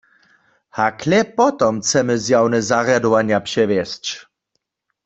Hakle potom chcemy zjawne zarjadowanja přewjesć.